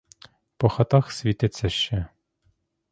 По хатах світиться ще.